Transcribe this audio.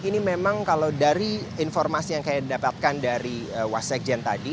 ini memang kalau dari informasi yang kami dapatkan dari wasakjen tadi